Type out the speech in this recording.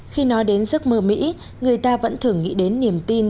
khi nói đến giấc mơ mỹ người ta vẫn thường nghĩ đến niềm tin